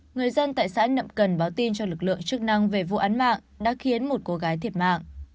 người dân tại xã nậm cần báo tin cho lực lượng chức năng về vụ án mạng đã khiến một cô gái thiệt mạng